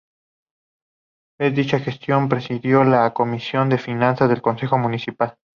En dicha gestión presidió la Comisión de Finanzas del Concejo Municipal.